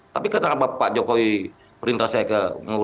tapi ketika pak jokowi perintah saya ke